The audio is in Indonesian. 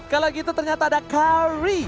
kalau gitu ternyata ada curry